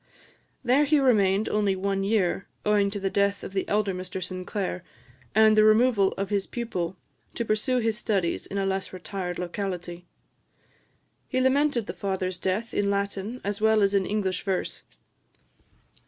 There he remained only one year, owing to the death of the elder Mr Sinclair, and the removal of his pupil to pursue his studies in a less retired locality. He lamented the father's death in Latin, as well as in English verse.